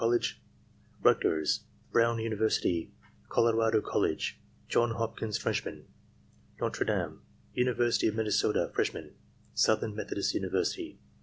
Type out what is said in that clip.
Coll Rutgers Brown University Colorado College Johns Hopkins, Freshmen.. Notre Dame TJ, of Minnesota, Freshmen Southern Methodist Univ. . U.